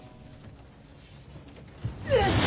うっ。